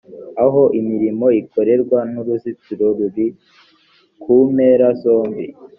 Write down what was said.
aho imirimo ikorerwa n’uruzitiro ruri ku mpera zombi